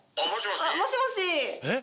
もしもし。